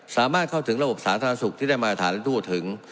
สามารถเข้าถึงระบบสาธารณสุขที่ได้มาตรฐานทั่วถึง